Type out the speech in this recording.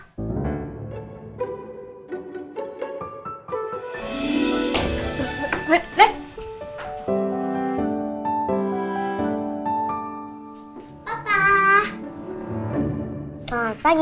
jadi kok disini sampai sekarang kita di prayocuse aja